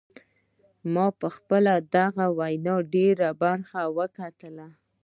ما پخپله د دغې وینا ډیره برخه وکتله.